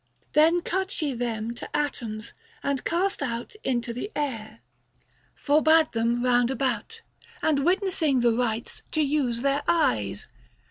190 Then cut she them to atoms, and cast out Into the air ; forbad them round about, And witnessing the rites, to use their eyes.